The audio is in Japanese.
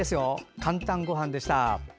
「かんたんごはん」でした。